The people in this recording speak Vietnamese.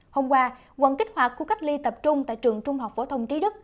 hôm qua quận kích hoạt khu cách ly tập trung tại trường trung học phổ thông trí đức